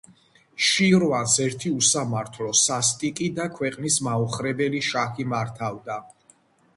შირვანს ერთი უსამართლო სასტიკი და ქვეყნის მაოხრებელი შაჰი მართავდა